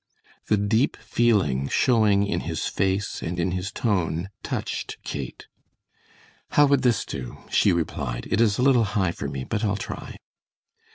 The deep feeling showing in his face and in his tone touched Kate. "How would this do?" she replied. "It is a little high for me, but I'll try."